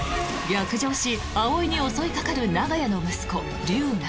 逆上し、葵に襲いかかる長屋の息子・龍河。